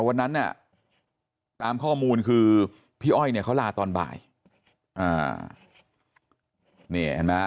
วันนั้นเนี่ยตามข้อมูลคือพี่อ้อยเนี่ยเขาลาตอนบ่ายนี่เห็นไหม